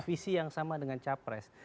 visi yang sama dengan capres